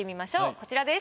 こちらです。